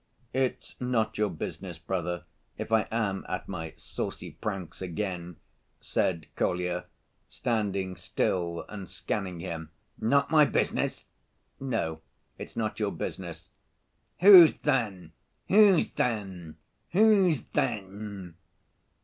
"It's not your business, brother, if I am at my saucy pranks again," said Kolya, standing still and scanning him. "Not my business?" "No; it's not your business." "Whose then? Whose then? Whose then?"